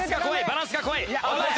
バランスが怖い。